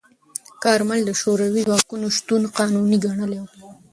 کارمل د شوروي ځواکونو شتون قانوني ګڼلی و.